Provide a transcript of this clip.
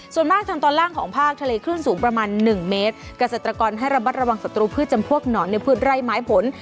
ส่วนมากทางตอนล่างของภาคทะเลคลื่นสูงประมาณหนึ่งเมตรเกษตรกรให้ระมัดระวังศัตรูพืชจำพวกหนอนในพืชไร่ไม้ผล